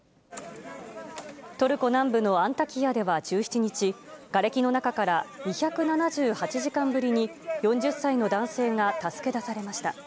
トルコ南部のアンタキヤでは１７日、がれきの中から、２７８時間ぶりに４０歳の男性が助け出されました。